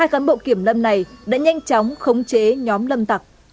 hai cán bộ kiểm lâm này đã nhanh chóng khống chế nhóm lâm tặc